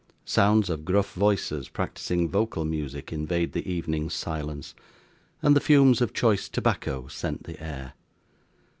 Sounds of gruff voices practising vocal music invade the evening's silence; and the fumes of choice tobacco scent the air.